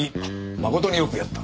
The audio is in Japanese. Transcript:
誠によくやった。